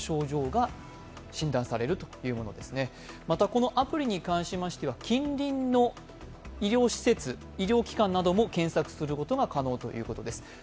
また、このアプリに関しましては近隣の医療施設医療機関なども検索することが可能ということです。